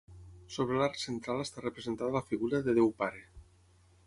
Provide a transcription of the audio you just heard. Sobre l'arc central està representada la figura de Déu Pare.